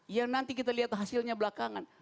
ya nanti kita lihat hasilnya belakangan